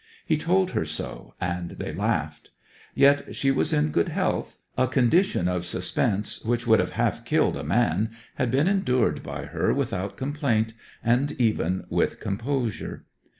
He told her so, and they laughed. Yet she was in good health: a condition of suspense, which would have half killed a man, had been endured by her without complaint, and even with composure.